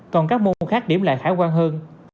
còn các môn khác điểm lại khả quan hơn